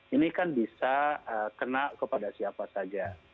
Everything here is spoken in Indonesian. ini kan bisa kena kepada siapa saja